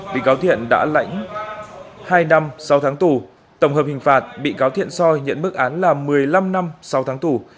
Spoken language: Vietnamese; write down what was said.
bị cáo thiện đã lãnh hai năm sau tháng tù tổng hợp hình phạt bị cáo thiện soi nhận mức án là một mươi năm năm sau tháng tù